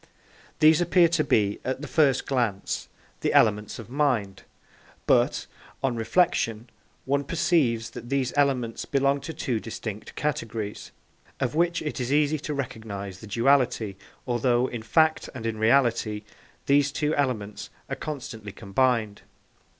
These appear to be, at the first glance, the elements of mind; but, on reflection, one perceives that these elements belong to two distinct categories, of which it is easy to recognise the duality, although, in fact and in reality, these two elements are constantly combined.